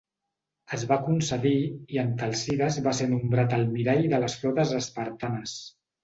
Es va concedir i Antalcidas va ser nombrat almirall de les flotes espartanes.